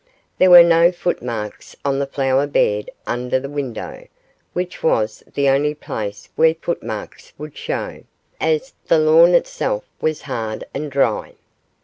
There were no footmarks on the flower bed under the window, which was the only place where footmarks would show, as the lawn itself was hard and dry.